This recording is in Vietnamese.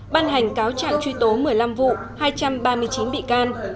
ban hành cáo trạng truy tố một mươi năm vụ hai trăm ba mươi chín bị can